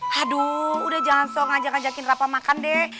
haduh udah jangan sok ngajakin rafa makan deh